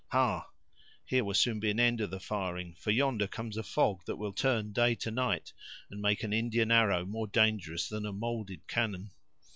Ha! here will soon be an end of the firing, for yonder comes a fog that will turn day to night, and make an Indian arrow more dangerous than a molded cannon.